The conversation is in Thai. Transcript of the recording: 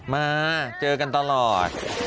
มาเจอกันตลอด